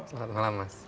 selamat malam mas